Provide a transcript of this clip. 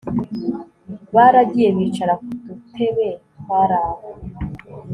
baragiye bicara kututebe twaraho